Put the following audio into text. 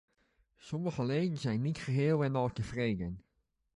Sommige leden zijn niet geheel en al tevreden.